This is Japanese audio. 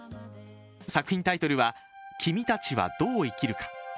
作品タイトルは「君たちはどう生きるか」。